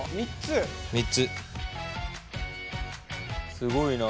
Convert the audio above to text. すごいな。